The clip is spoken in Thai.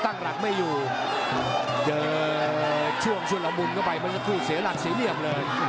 ตั้งหลักไม่อียุช่วงช่วงละมุ่นเข้าไปมันจะพูดเสียหลักเสียเหนี่ยมเลย